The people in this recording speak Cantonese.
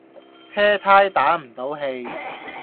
車呔打唔到氣